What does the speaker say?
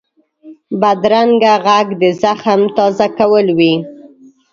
بدرنګه غږ د زخم تازه کول وي